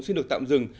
xin được tạm dừng